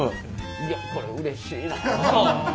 いやこれうれしいなあ。